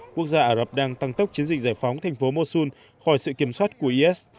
quốc gia ả rập đang tăng tốc chiến dịch giải phóng thành phố mosun khỏi sự kiểm soát của is